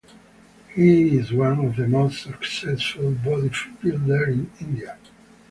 He is one of the most successful bodybuilder in India.